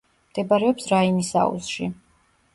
მდებარეობს რაინის აუზში.